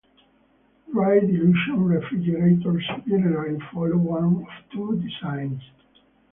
Dry dilution refrigerators generally follow one of two designs.